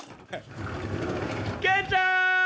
健ちゃん！